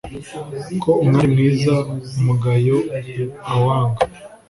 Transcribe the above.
ko umwari mwiza umugayo awanga